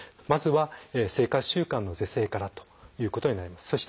まずは生活習慣の是正からということになります。